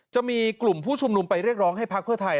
จะมีกลุ่มผู้ชุมนุมไปเรียกร้องให้พักเพื่อไทย